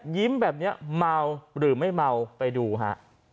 ยิ้มแบบนี้เมาหรือไม่เมาไปดูฮะ